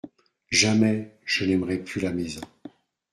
Jamais je n'aimerai plus la maison.